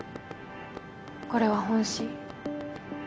これは本心。